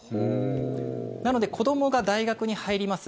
なので子どもが大学に入ります。